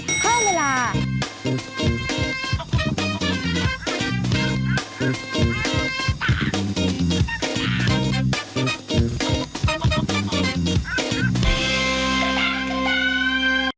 โปรดติดตามตอนต่อไป